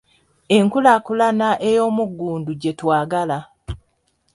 Enkulaakulana ey'omuggundu gye twagala.